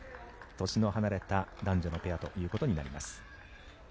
年の離れた男女のペアということになります。